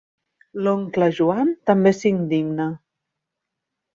L'oncle Joan també s'indigna.